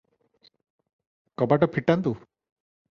କବାଟ ଫିଟାନ୍ତୁ ।"